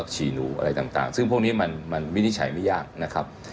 ฉี่หนูอะไรต่างซึ่งพวกนี้มันวินิจฉัยไม่ยากนะครับ